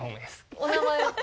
お名前は？